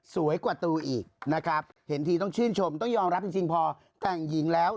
สวยกว่าตูอีกนะครับเห็นทีต้องชื่นชมต้องยอมรับจริงพอแต่งหญิงแล้ว